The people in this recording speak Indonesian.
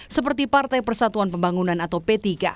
seperti partai persatuan pembangunan atau p tiga